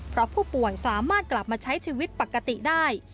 เพราะผู้ป่วยสามารถกลับมาใช้ชีวิตปกติได้